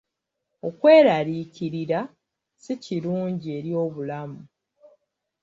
Okweraliikirira si kulungi eri obulamu.